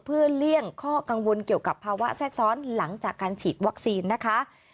เพื่อเลี่ยงข้อกังวลเกี่ยวกับภาวะแทรกซ้อนหลังจากการฉีดวัคซีนนะคะ